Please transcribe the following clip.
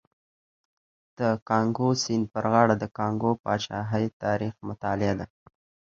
د کانګو سیند پر غاړه د کانګو پاچاهۍ تاریخ مطالعه ده.